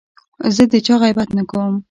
زه د چا غیبت نه کوم.